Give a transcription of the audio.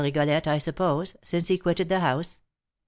Rigolette, I suppose, since he quitted the house?"